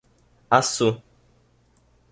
Assu